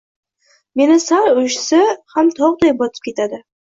Meni sal urishishsa ham tog`day botib ketadi